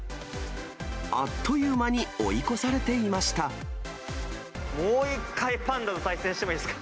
あっという間に追い越されてもう一回、パンダと対戦してもいいですか。